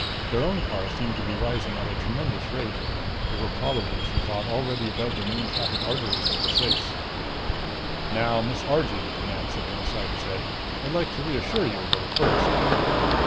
Their own car seemed to be rising at a tremendous rate. They were probably, she thought, already above the main traffic arteries over Ceyce. "Now, Miss Argee," the man sitting beside her said, "I'd like to reassure you a little first."